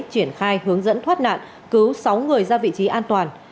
triển khai hướng dẫn thoát nạn cứu sáu người ra vị trí an toàn